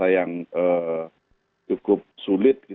massa yang cukup sulit